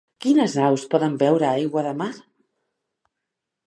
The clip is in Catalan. Quines aus poden veure aigua de mar?